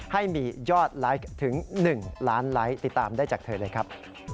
ให้มียอดไลค์ถึง๑ล้านไลค์ติดตามได้จากเธอเลยครับ